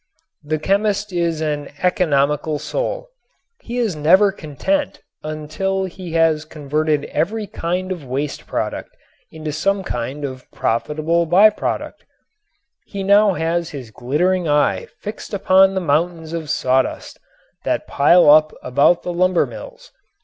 The chemist is an economical soul. He is never content until he has converted every kind of waste product into some kind of profitable by product. He now has his glittering eye fixed upon the mountains of sawdust that pile up about the lumber mills.